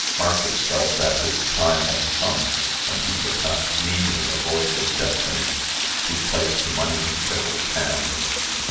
Marcus felt that his time had come, and he would not meanly avoid his destiny. He placed the money in Tiffles's hand.